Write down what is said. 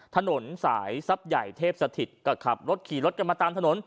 ถนนสายทรัพย์ใหญ่เทพสถิตก็ขับรถขี่รถกันมาตามถนน